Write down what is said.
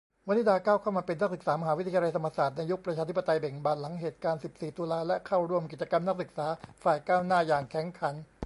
วนิดาก้าวเข้ามาเป็นนักศึกษามหาวิทยาลัยธรรมศาสตร์ในยุคประชาธิปไตยเบ่งบาน หลังเหตุการณ์ สิบสี่ ตุลา และเข้าร่วมกิจกรรม นักศึกษาฝ่ายก้าวหน้าอย่างแข็งขัน